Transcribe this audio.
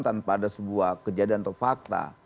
tanpa ada sebuah kejadian atau fakta